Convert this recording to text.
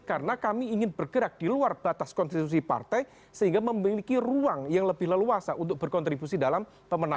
karena kami ingin bergerak di luar batas konstitusi partai sehingga memiliki ruang yang lebih leluasa untuk berkontribusi dalam pemenang